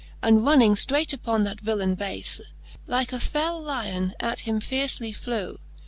And running ftreight upon that villaine bafe, Like a fell Lion at him fiercely flew.